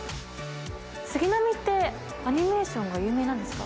杉並ってアニメーションが有名なんですか？